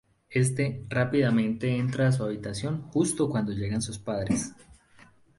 Este rápidamente entra a su habitación justo cuando llegan sus padres.